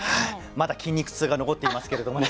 まだ筋肉痛が残っていますけれどもね。